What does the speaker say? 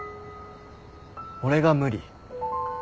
俺が無理。